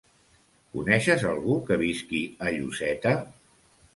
Coneixes algú que visqui a Lloseta?